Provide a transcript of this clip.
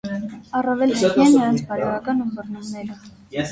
Առավել հայտնի են նրանց բարոյական ըմբռնումները։